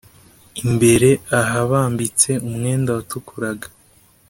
imbere ahabambitse umwenda watukuraga